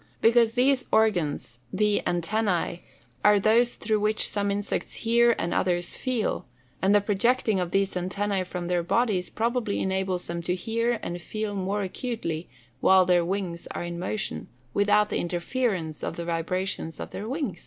_ Because those organs (the antennæ), are those through which come insects hear and others feel; and the projecting of these antennæ from their bodies probably enables them to hear or feel more acutely while their wings are in motion, without the interference of the vibrations of their wings.